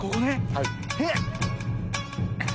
はい。